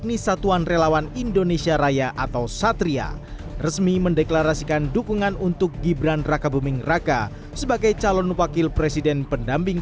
ibran juga akan menjawab karena ibran belum bisa menjawab